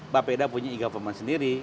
bapeda punya e government sendiri